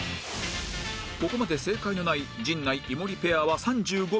ここまで正解のない陣内・井森ペアは３５秒と予想